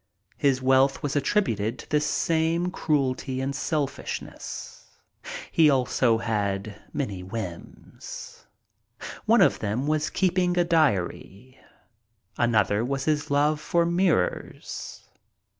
His wealth was attributed to this same cruelty and selfishness. He also had many whims. One of them was keeping a diary. Another was his love for mirrors.